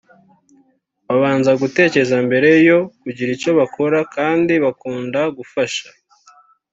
babanza gutekereza mbere yo kugira icyo bakora kandi bakunda gufasha